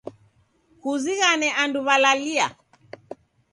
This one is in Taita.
Kuzighane andu w'alalia